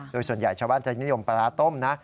โดยส่วนใหญ่ชาวบ้านจะนิยมปลาร้าต้มนะ